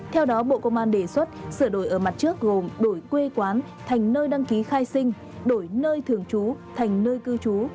theo đó bộ công an đề xuất sửa đổi ở mặt trước gồm đổi quê quán thành nơi đăng ký khai sinh đổi nơi thường trú thành nơi cư trú